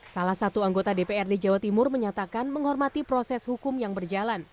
salah satu anggota dprd jawa timur menyatakan menghormati proses hukum yang berjalan